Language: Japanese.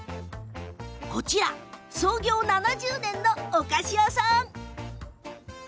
こちら、創業７０年のお菓子屋さん。